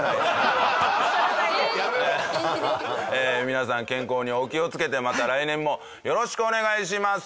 皆さん健康にお気をつけてまた来年もよろしくお願いします。